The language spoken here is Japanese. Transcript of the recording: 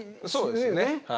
そうですよね。